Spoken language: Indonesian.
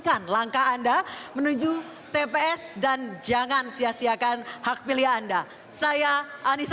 artinya ida perpuluhan menggunakan pen haters